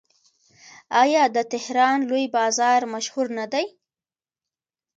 آیا د تهران لوی بازار مشهور نه دی؟